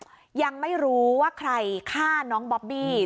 คือตอนนี้ยังไม่รู้ว่าใครฆ่าน้องบอบบี้